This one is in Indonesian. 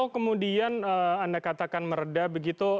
kemudian anda katakan meredah begitu